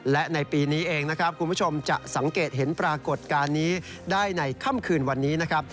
และในปีนี้เองนะครับคุณผู้ชมจะสังเกตเห็นปรากฏการณ์นี้ได้ในค่ำคืนวันนี้นะครับ